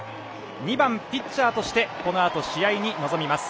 ２番ピッチャーとしてこのあと、試合に臨みます。